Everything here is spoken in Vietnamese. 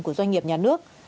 của doanh nghiệp nhà nước